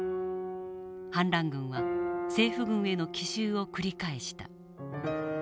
反乱軍は政府軍への奇襲を繰り返した。